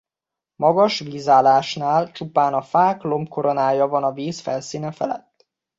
Magas vízállásnál csupán a fák lombkoronája van a víz felszíne felett.